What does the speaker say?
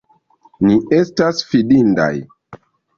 Ni estas fidindaj!